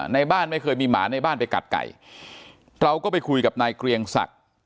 ในบ้านไม่เคยมีหมาในบ้านไปกัดไก่เราก็ไปคุยกับนายเกรียงศักดิ์